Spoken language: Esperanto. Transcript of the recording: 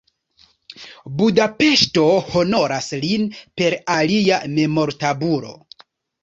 Budapeŝto honoras lin per alia memortabulo.